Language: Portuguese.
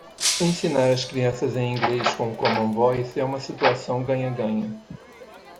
Ensinar as crianças em inglês com Common Voice é uma situação ganha-ganha.